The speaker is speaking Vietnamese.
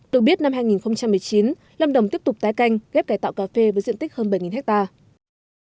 được biết năm hai nghìn một mươi chín lâm đồng tiếp tục tái canh ghép cải tạo cà phê với diện tích hơn bảy hectare